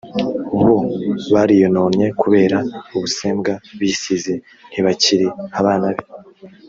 bo bariyononnye, kubera ubusembwa bisize, ntibakiri abana be.